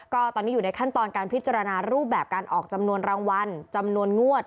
ก็ตอนนี้อยู่ในขั้นตอนการพิจารณารูปแบบการออกจำนวนรางวัลจำนวนงวด